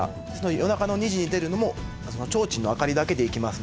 夜中の２時に出るのも提灯の明かりだけで行きますので。